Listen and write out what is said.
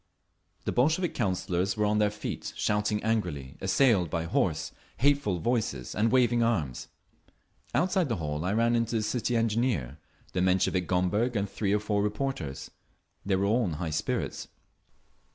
The Bolshevik Councillors were on their feet, shouting angrily, assailed by hoarse, hateful voices and waving arms…. Outside the hall I ran into the City Engineer, the Menshevik Gomberg and three or four reporters. They were all in high spirits.